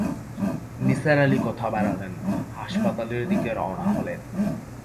নিসার আলি কথা বাড়ালেন না, হাসপাতালের দিকে রওনা হলেন।